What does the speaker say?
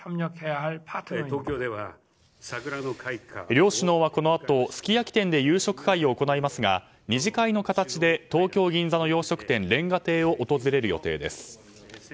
両首脳はこのあとすき焼き店で夕食会を行いますが２次会の形で東京・銀座の飲食店、煉瓦亭を訪れる予定です。